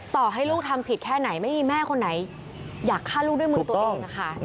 ต่อให้ลูกทำผิดแค่ไหนไม่มีแม่คนไหนอยากฆ่าลูกด้วยมือตัวเองค่ะ